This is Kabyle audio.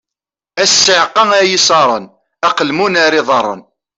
A ssiεqa ay iṣaṛen: aqelmun ar iḍaṛṛen!